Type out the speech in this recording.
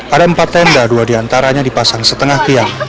ada empat tenda dua diantaranya dipasang setengah tiang